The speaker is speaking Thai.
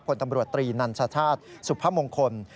ผลตำรวจตรีนันชชาติสุพมงคล